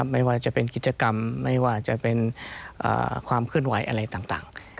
ไม่ว่าจะเป็นกิจกรรมไม่ว่าจะเป็นความเคลื่อนไหวอะไรต่าง